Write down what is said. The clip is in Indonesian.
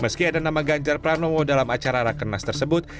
meski ada nama ganjar pranowo dalam acara rakenas tersebut